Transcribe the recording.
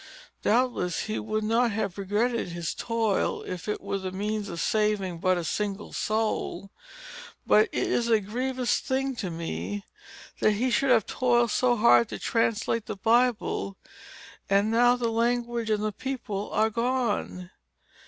Doubtless, he would not have regretted his toil, if it were the means of saving but a single soul. But it is a grievous thing to me, that he should have toiled so hard to translate the Bible, and now the language and the people are gone!